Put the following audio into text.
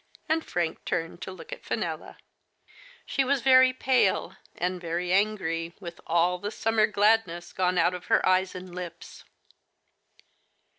and Frank turned to look at Fenella* She was very pale, and very angry, with all the summer gladness gone out of her eyes and lips.